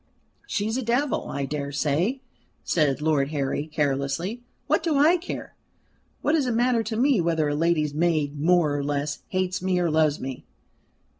"She's a devil, I dare say," said Lord Harry, carelessly. "What do I care? What does it matter to me whether a lady's maid, more or less, hates me or loves me?"